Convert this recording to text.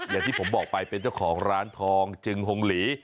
อย่างที่ผมบอกไปเป็นเจ้าของร้านทองจึงฮงหลี